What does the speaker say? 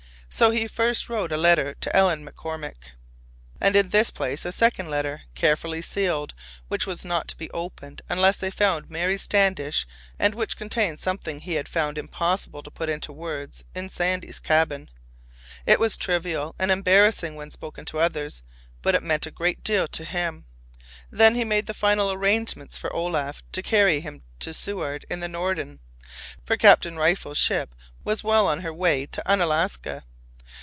So he first wrote a letter to Ellen McCormick, and in this placed a second letter—carefully sealed—which was not to be opened unless they found Mary Standish, and which contained something he had found impossible to put into words in Sandy's cabin. It was trivial and embarrassing when spoken to others, but it meant a great deal to him. Then he made the final arrangements for Olaf to carry him to Seward in the Norden, for Captain Rifle's ship was well on her way to Unalaska.